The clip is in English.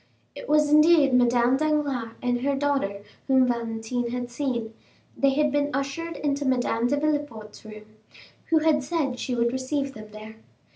It was indeed Madame Danglars and her daughter whom Valentine had seen; they had been ushered into Madame de Villefort's room, who had said she would receive them there.